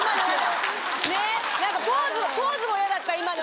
ポーズもイヤだった今の。